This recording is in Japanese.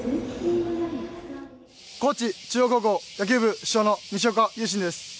高知中央高校野球部主将の西岡悠慎です。